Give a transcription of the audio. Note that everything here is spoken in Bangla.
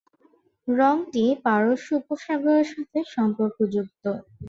রঙটি পারস্য উপসাগরের সাথে সম্পর্কযুক্ত।